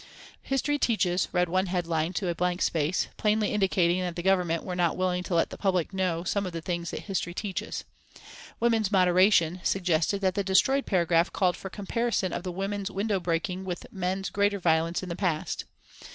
"History Teaches" read one headline to a blank space, plainly indicating that the Government were not willing to let the public know some of the things that history teaches. "Women's Moderation" suggested that the destroyed paragraph called for comparison of the women's window breaking with men's greater violence in the past.